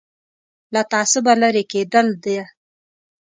له تعصبه لرې کېدل ده.